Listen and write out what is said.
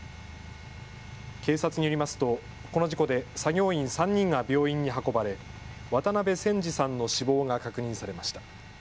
警察によりますとこの事故で作業員３人が病院に運ばれ渡辺仙仁さんの死亡が確認されました。